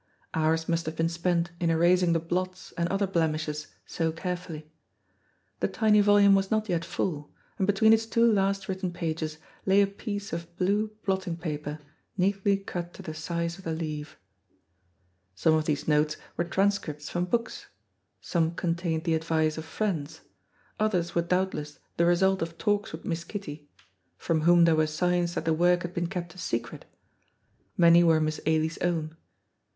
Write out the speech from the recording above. Hours must have been spent in erasing the blots and other blemishes so carefully. The tiny volume was not yet full, and between its two last written pages lay a piece of blue blotting paper neatly cut to the size of the leaf. Some of these notes were transcripts from books, some contained the advice of friends, others were doubtless the result of talks with Miss Kitty (from whom there were signs that the work had been kept a secret), many were Miss Ailie's own.